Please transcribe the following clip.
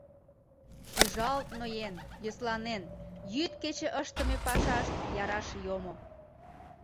Пӱжалт-ноен, йӧсланен, йӱд-кече ыштыме пашашт яраш йомо.